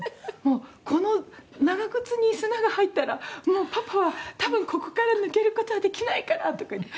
「“この長靴に砂が入ったらもうパパは多分ここから抜ける事はできないから”とか言って。